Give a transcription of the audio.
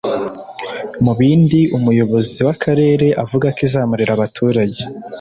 Mu bindi umuyobozi w’akarere avuga ko izamarira abaturage